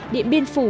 điện biên phủ